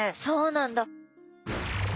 そうなんだ。